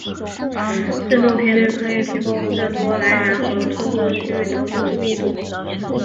振动频率可以提供震波来源和通过区域的物质密度。